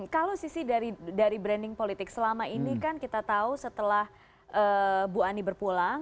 kalau sisi dari branding politik selama ini kan kita tahu setelah bu ani berpulang